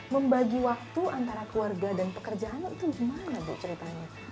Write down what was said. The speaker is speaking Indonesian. membagi waktu antara keluarga dan pekerjaannya itu gimana bu ceritanya